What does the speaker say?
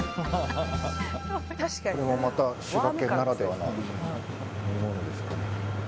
これもまた滋賀県ならではのものですかね。